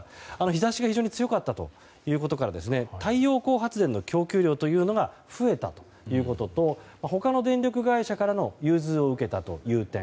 日差しが非常に強かったということから太陽光発電の供給量が増えたということと他の電力会社からの融通を受けたという点。